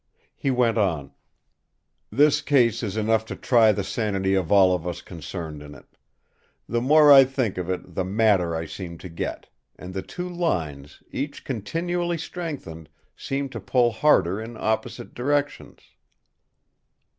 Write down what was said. He went on: "This case is enough to try the sanity of all of us concerned in it. The more I think of it, the madder I seem to get; and the two lines, each continually strengthened, seem to pull harder in opposite directions."